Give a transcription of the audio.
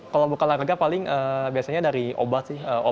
kalau bukan olahraga biasanya dari obat